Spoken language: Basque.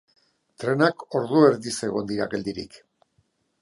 Trenak ordu erdiz egon dira geldirik.